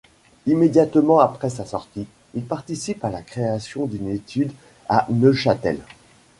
Immédiatement après sa sortie, il participe à la création d’une étude à Neuchâtel.